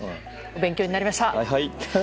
勉強になりました。